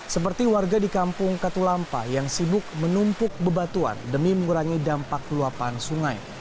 seperti warga di kampung katulampa yang sibuk menumpuk bebatuan demi mengurangi dampak luapan sungai